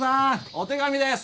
お手紙です！